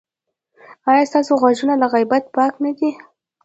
ایا ستاسو غوږونه له غیبت پاک نه دي؟